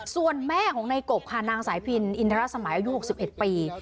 ส่วนแม่ของในกบค่ะนางสายพินอินทรสมัยอายุ๖๑ปี